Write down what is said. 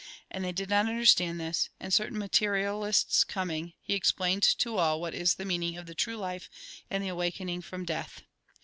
'' And they did not understand this, and certain materialists coming, he explained to all what is the meaning of the true life and the awakening from death.